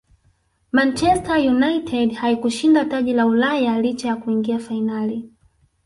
manchester united haikushinda taji la ulaya licha ya kuingia fainali